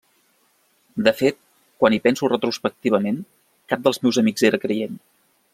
De fet, quan hi penso retrospectivament, cap dels meus amics era creient.